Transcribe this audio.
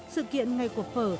sự kiện ngày của phở